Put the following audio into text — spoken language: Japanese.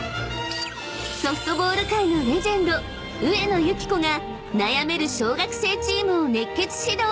［ソフトボール界のレジェンド上野由岐子が悩める小学生チームを熱血指導！］